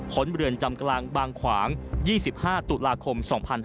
เรือนจำกลางบางขวาง๒๕ตุลาคม๒๕๕๙